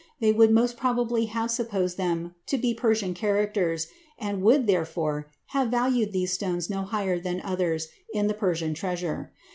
They would most probably have supposed them to be Persian characters, and would, therefore, have valued these stones no higher than others in the Persian treasure.